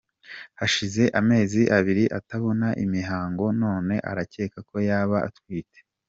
Hashize amezi abiri atabona imihango none arakekako yaba atwite.